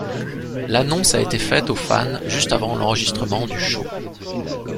L'annonce a été faite aux fans juste avant l'enregistrement du show.